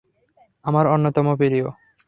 আমার অন্যতম প্রিয়।